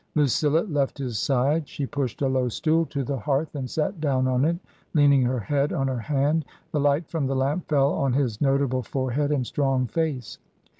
Lucilla left his side. She pushed a low stool to the hearth and sat down on it, leaning her head on her hand. The light from the lamp fell on his notable forehead and strong face.